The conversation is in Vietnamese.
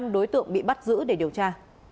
năm đối tượng bị bắt giữ để điều tra